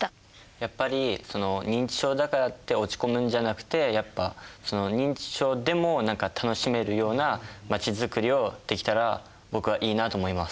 やっぱり認知症だからって落ち込むんじゃなくてやっぱ認知症でも楽しめるような街づくりをできたら僕はいいなと思います。